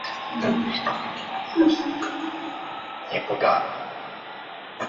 猎人山自治市是澳大利亚新南威尔斯州最小的地方政府。